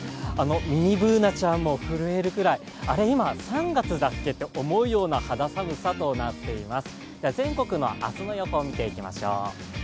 ミニＢｏｏｎａちゃんも震えるくらい、あれ、今３月だっけと思うような肌寒さとなっています。